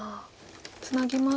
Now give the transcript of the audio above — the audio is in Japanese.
ツナぎますと。